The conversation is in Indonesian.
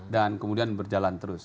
dan kemudian berjalan terus